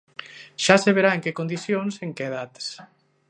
Xa se verá en que condicións e en que datas.